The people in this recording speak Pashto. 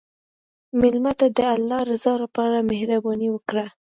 مېلمه ته د الله رضا لپاره مهرباني وکړه.